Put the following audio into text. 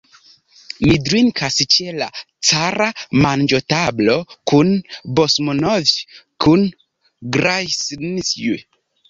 Mi drinkas ĉe la cara manĝotablo kun Basmanov'j, kun Grjaznij'j.